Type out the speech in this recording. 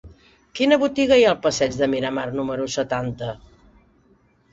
Quina botiga hi ha al passeig de Miramar número setanta?